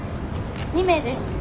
２名です。